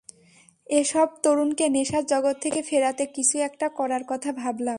এসব তরুণকে নেশার জগৎ থেকে ফেরাতে কিছু একটা করার কথা ভাবলাম।